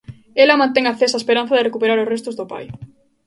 Ela mantén acesa a esperanza de recuperar os restos do pai.